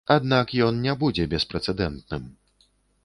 Аднак ён не будзе беспрацэнтным.